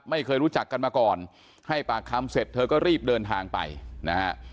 ไม่เคยรู้จักกันมาก่อนให้ปากคำเสร็จเธอก็รีบเดินทางไปนะฮะ